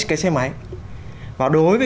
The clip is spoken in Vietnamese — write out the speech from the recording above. cái xe máy và đối với